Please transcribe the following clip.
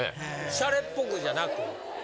シャレっぽくじゃなく？